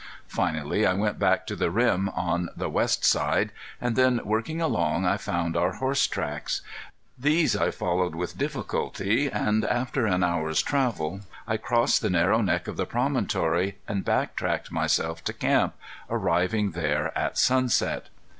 Finally I went back to the rim on the west side, and then working along I found our horse tracks. These I followed, with difficulty, and after an hour's travel I crossed the narrow neck of the promontory, and back tracked myself to camp, arriving there at sunset.